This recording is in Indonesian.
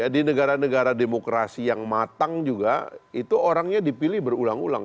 di negara negara demokrasi yang matang juga itu orangnya dipilih berulang ulang